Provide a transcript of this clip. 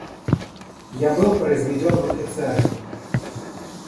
Я был произведен в офицеры.